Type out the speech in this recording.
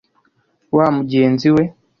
wa mugenzi we.”